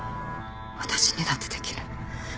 私にだってできる。